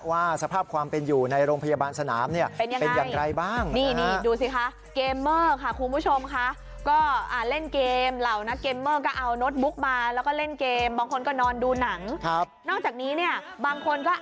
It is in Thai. ว่าสภาพความเป็นอยู่ในโรงพยาบาลสนามเนี่ยเป็นอย่างไรบ้าง